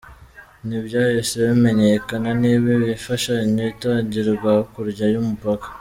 Ntibyahise bimenyekana niba iyi mfashanyo itangirwa hakurya y'umupaka.